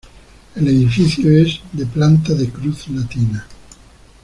El edificio es de planta de cruz latina.